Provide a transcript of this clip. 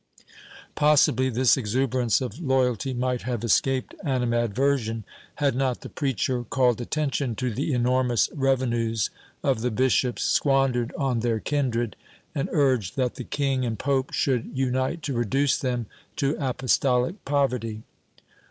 Possibly this exuberance of loyalty might have escaped animadversion, had not the preacher called atteiltion to the enormous revenues of the bishops, squan dered on their kindred, and urged that the king and pope should unite to reduce them to apostolic poverty.